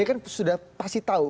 ini kan sudah pasti tahu